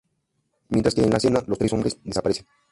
Mientras que en la cena los tres hombres desaparecen.